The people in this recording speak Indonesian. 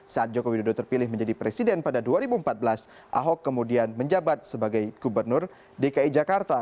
saat joko widodo terpilih menjadi presiden pada dua ribu empat belas ahok kemudian menjabat sebagai gubernur dki jakarta